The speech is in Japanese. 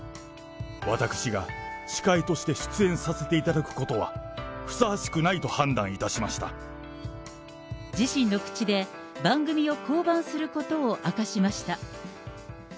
私が司会として出演させていただくことは、ふさわしくないと自身の口で、番組を降板することを明かしました。